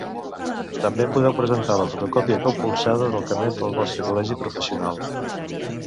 També podeu presentar la fotocòpia compulsada del carnet del vostre col·legi professional.